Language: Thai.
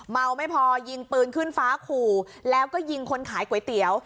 ไม่พอยิงปืนขึ้นฟ้าขู่แล้วก็ยิงคนขายก๋วยเตี๋ยว